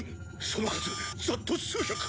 その数ざっと数百！